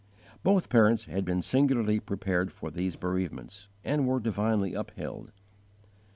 Both parents had been singularly prepared for these bereavements, and were divinely upheld.